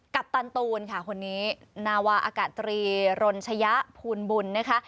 ปตันตูนค่ะคนนี้นาวาอากาศตรีรณชยะภูลบุญนะคะ